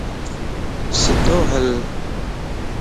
سيدو ھل